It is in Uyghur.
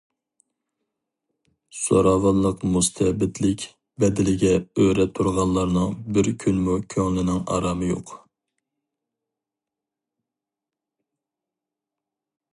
زوراۋانلىق مۇستەبىتلىك بەدىلىگە ئۆرە تۇرغانلارنىڭ بىر كۈنمۇ كۆڭلىنىڭ ئارامى يوق.